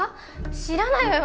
知らないわよ